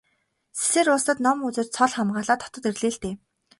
Сэсээр улсад ном үзэж цол хамгаалаад хотод ирээ л дээ.